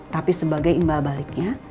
tapi sebagai imbal baliknya